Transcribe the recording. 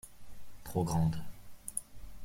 Trop grande.